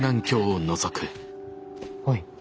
おい。